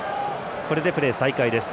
これでプレー再開です。